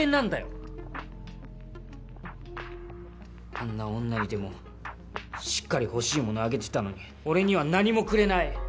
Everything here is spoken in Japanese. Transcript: あんな女にでもしっかり欲しいものあげてたのに俺には何もくれない！